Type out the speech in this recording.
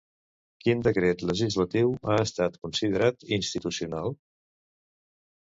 Quin decret legislatiu ha estat considerat institucional?